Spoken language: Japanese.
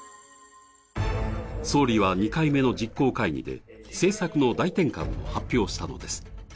総理は２回目の実行会議で政策の大転換を発表したのです。